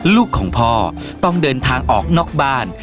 ลูกของพ่อต้องเดินทางออกนอกบ้าน